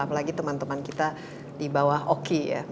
apalagi teman teman kita di bawah oki ya